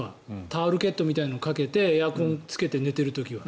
タオルケットみたいなのをかけてエアコンをつけて寝ている時は。